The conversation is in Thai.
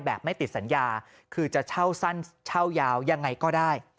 ไม่ติดสัญญาคือจะเช่าสั้นเช่ายาวยังไงก็ได้